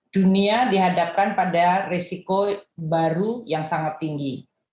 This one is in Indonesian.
dunia dihadapkan pada risiko baru yang sangat tinggi